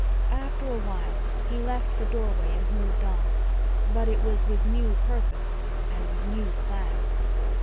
After a while he left the doorway and moved on. But it was with new purpose and with new plans.